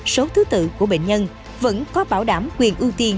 số thứ tự của bệnh nhân vẫn có bảo đảm quyền ưu tiên